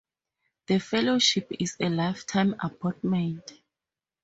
The Fellowship is a lifetime appointment.